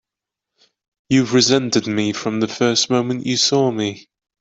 You've resented me from the first moment you saw me!